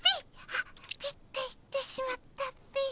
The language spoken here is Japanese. あっ「ピッ」て言ってしまったっピ。